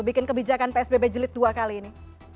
bikin kebijakan psbb jelit dua kali ini